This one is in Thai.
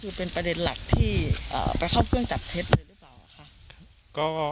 คือเป็นประเด็นหลักที่ไปเข้าเครื่องจับเท็จเลยหรือเปล่าคะ